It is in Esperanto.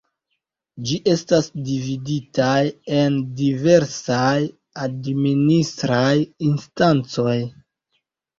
Ĝi estas dividitaj en diversaj administraj instancoj.